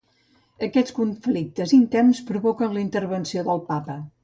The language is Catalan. Aquests conflictes interns provoquen la intervenció del Papa.